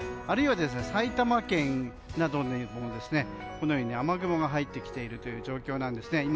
あるいは埼玉県などでも雨雲が入ってきている状況なんですね。